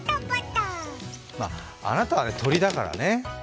あなたは鳥だからね。